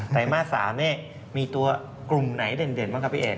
ไรมาส๓นี่มีตัวกลุ่มไหนเด่นบ้างครับพี่เอก